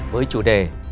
với chủ đề